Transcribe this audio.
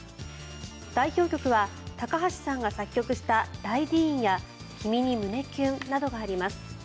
代表曲は高橋さんが作曲した「ライディーン」や「君に、胸キュン。」などがあります。